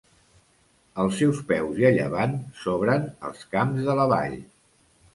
Als seus peus, i a llevant, s'obren els Camps de la Vall.